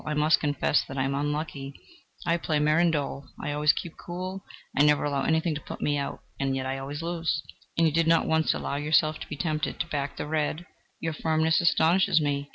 I must confess that I am unlucky: I play mirandole, I always keep cool, I never allow anything to put me out, and yet I always lose!" "And you did not once allow yourself to be tempted to back the red?... Your firmness astonishes me."